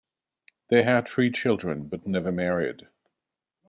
They had three children, but never married.